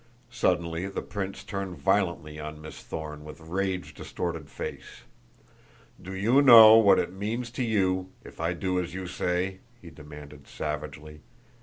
Suddenly the prince turned violently on Miss Thorne with rage distorted face. "Do you know what it means to you if I do as you say?" he demanded savagely.